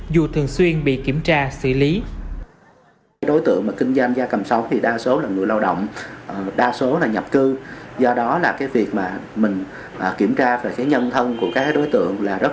dù thường xuyên bị kiểm tra xử lý